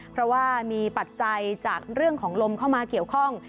เพราะว่ามีปัจจัยจากเรื่องของลมเข้ามาเกี่ยวข้อง